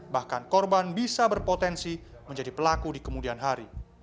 bahkan korban bisa berpotensi menjadi pelaku di kemudian hari